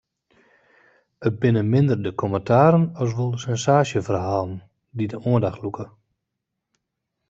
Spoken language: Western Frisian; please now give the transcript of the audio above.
It binne minder de kommentaren as wol de sensaasjeferhalen dy't de oandacht lûke.